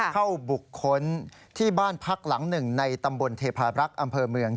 เข้าบุคคลที่บ้านพักหลังหนึ่งในตำบลเทพารักษ์อำเภอเมือง